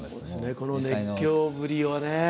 この熱狂ぶりをね。